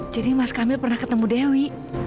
jadi mas gamil pernah ketemu dewi